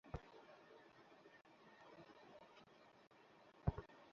এখন শালা, হাগু করে পানির বদলে কাগজ দিয়ে পরিষ্কার করতে হবে।